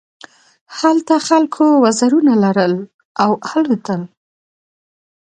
هلته خلکو وزرونه لرل او الوتل.